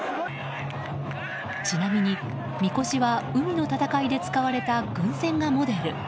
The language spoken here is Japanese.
ちなみに、みこしは海の戦いで使われた軍船がモデル。